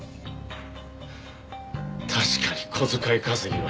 確かに小遣い稼ぎはしてたさ。